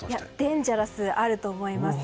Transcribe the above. デンジャラス、あると思います。